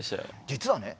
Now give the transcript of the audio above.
実はね